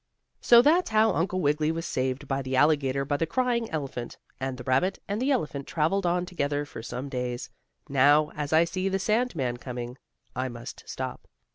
So that's how Uncle Wiggily was saved from the alligator by the crying elephant, and the rabbit and elephant traveled on together for some days. Now, as I see the sand man coming, I must stop.